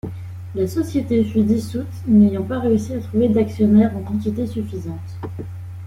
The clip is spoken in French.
La société fut dissoute, n'ayant pas réussi à trouver d'actionnaires en quantité suffisante.